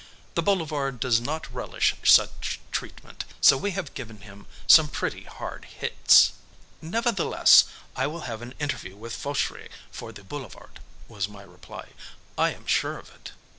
The Boulevard does not relish such treatment, so we have given him some pretty hard hits." "Nevertheless, I will have an interview with Fauchery for the Boulevard," was my reply. "I am sure of it."